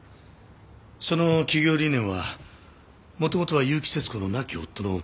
その企業理念は元々は結城節子の亡き夫の哲学だったそうだ。